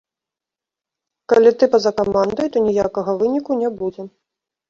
Калі ты па-за камандай, то ніякага выніку не будзе.